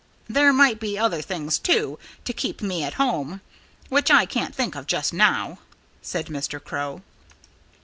There might be other things, too, to keep me at home, which I can't think of just now," said Mr. Crow.